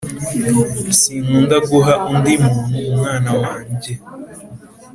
Sinkunda guha undi muntu umwana wanjye